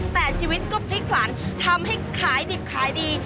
แต่ชีวิตก็พลิกผลันทำให้ขายดิบขายดี